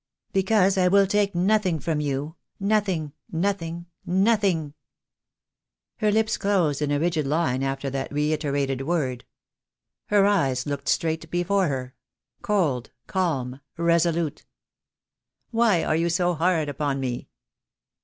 "Because I will take nothing from you — nothing — nothing — nothing !" Her lips closed in a rigid line after that reiterated word. Her eyes looked straight before her, cold, calm, resolute. "Why are you so hard upon me?"